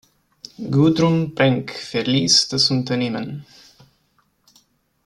Gudrun Brenk verließ das Unternehmen.